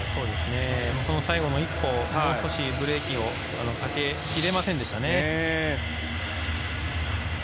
最後の１歩、ブレーキをかけきれませんでしたね。